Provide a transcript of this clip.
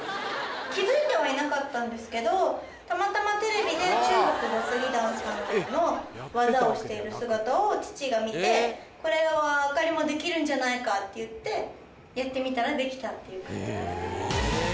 気付いてはいなかったんですけどたまたまテレビで中国雑技団さんの技をしている姿を父が観てこれは亜香里もできるんじゃないかって言ってやってみたらできたっていう感じです